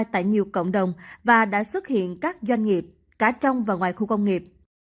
tại nhiều cộng đồng và đã xuất hiện các doanh nghiệp cả trong và ngoài khu công nghiệp